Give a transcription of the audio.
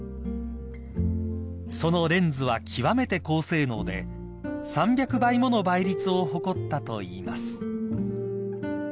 ［そのレンズは極めて高性能で３００倍もの倍率を誇ったといいます］